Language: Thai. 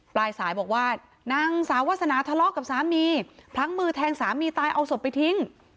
ปลายสายบอกว่านางสาววาสนาทะเลาะกับสามีพลั้งมือแทงสามีตายเอาศพไปทิ้ง